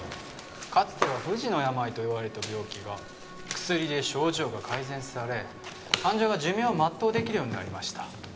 「かつては不治の病といわれた病気が」「薬で症状が改善され」「患者が寿命を全うできるようになりました」